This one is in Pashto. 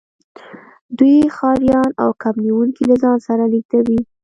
دوی ښکاریان او کب نیونکي له ځان سره لیږدوي